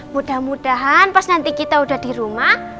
mudah mudahan pas nanti kita udah di rumah